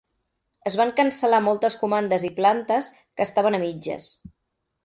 Es van cancel·lar moltes comandes i plantes que estaven a mitges.